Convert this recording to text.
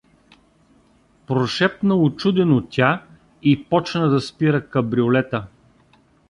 — прошепна учудено тя и почна да спира кабриолета.